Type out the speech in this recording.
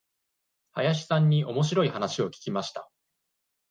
林さんにおもしろい話を聞きました。